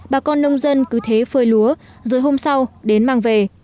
bà con nông dân cứ thế phơi lúa rồi hôm sau đến mang về